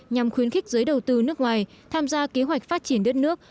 nhằm khuyến khích giới đầu tư nước ngoài tham gia kế hoạch phát triển đất nước